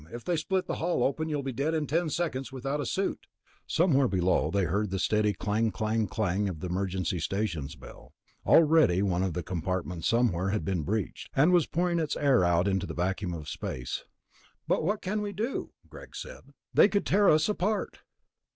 If they split the hull open, you'll be dead in ten seconds without a suit." Somewhere below they heard the steady clang clang clang of the emergency station's bell ... already one of the compartments somewhere had been breached, and was pouring its air out into the vacuum of space. "But what can we do?" Greg said. "They could tear us apart!"